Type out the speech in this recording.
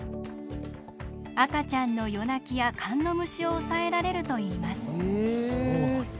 赤ちゃんの夜泣きやかんの虫を抑えられるといいます。